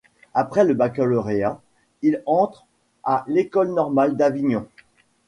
Après le baccalauréat, il entre à l'école normale d'Avignon.